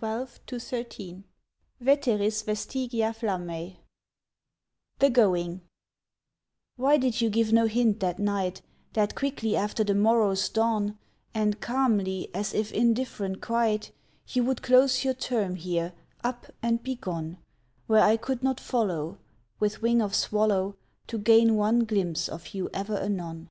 POEMS OF 1912–13 Veteris vestigia flammae THE GOING WHY did you give no hint that night That quickly after the morrow's dawn, And calmly, as if indifferent quite, You would close your term here, up and be gone Where I could not follow With wing of swallow To gain one glimpse of you ever anon!